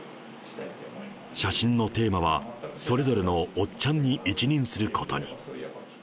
写真のテーマはそれぞれのおっちゃんに一任することに。